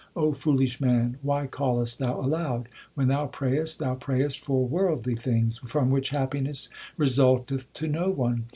O foolish man, why callest thou aloud ? When thou prayest, thou prayest for worldly things, From which happiness result eth to no one.